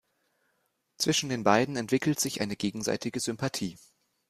Zwischen den beiden entwickelt sich eine gegenseitige Sympathie.